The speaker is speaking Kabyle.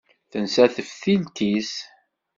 Tensa teftilt-is.